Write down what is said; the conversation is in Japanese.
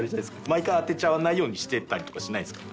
毎回当てちゃわないようにしてたりとかしないんですか？